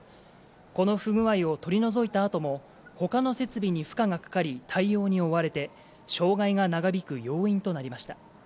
この不具合を取り除いたあともほかの設備に負荷がかかり、対応に追われて、障害が長引く要因となりました。